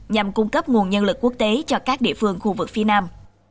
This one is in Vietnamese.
nhằm cung cấp nguồn nhân lực quốc tế cho các địa phương khu vực phía nam